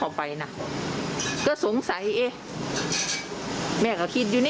เอาแต่เงินอย่างเดียวถ้าเสียคำปรับก็ขึ้น